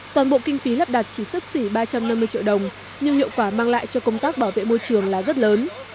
toàn bộ kinh phí lắp đặt chỉ sấp xỉ ba trăm năm mươi triệu đồng nhưng hiệu quả mang lại cho công tác bảo vệ môi trường là rất lớn